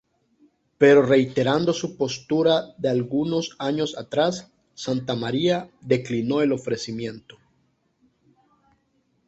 Pero, reiterando su postura de algunos años atrás, Santamaría declinó el ofrecimiento.